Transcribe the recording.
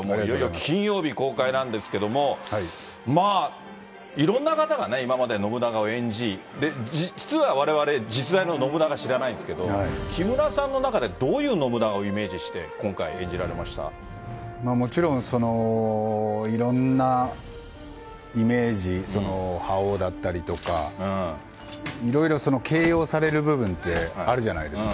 金曜日公開なんですけども、まあ、いろんな方がね、今まで信長を演じ、実はわれわれ、実在の信長知らないですけど、木村さんの中でどういう信長をイメージして、今回、もちろん、いろんなイメージ、覇王だったりとか、いろいろ形容される部分ってあるじゃないですか。